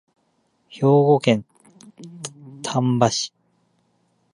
兵庫県丹波市